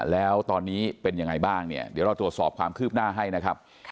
แล้วตอนนี้เป็นยังไงบ้างเนี่ยเดี๋ยวเราตรวจสอบความคืบหน้าให้นะครับ